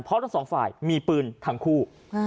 เพราะทั้งสองฝ่ายมีปืนทั้งคู่